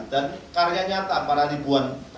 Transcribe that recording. dan karya nyata para ribuan